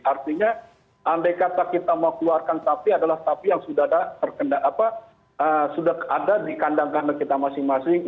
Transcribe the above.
artinya andai kata kita mau keluarkan sapi adalah sapi yang sudah ada di kandang kandang kita masing masing